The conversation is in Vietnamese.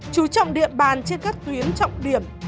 chú trọng điện bàn trên các tuyến trọng điểm